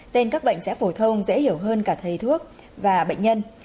tên các bệnh sẽ phổ thông dễ hiểu hơn cả thầy thuốc và bệnh nhân